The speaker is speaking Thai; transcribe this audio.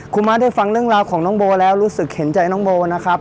คุณม้าได้ฟังเรื่องราวของน้องโบแล้วรู้สึกเห็นใจน้องโบนะครับ